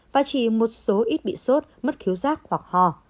và chỉ một số ít bị sốt mất khiếu giác hoặc ho